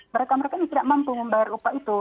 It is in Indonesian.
mereka mereka ini tidak mampu membayar upah itu